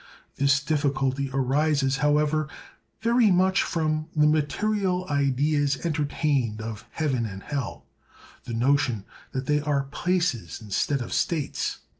This difficulty arises, however, very much from the material ideas entertained of heaven and hell—the notion that they are places instead of states.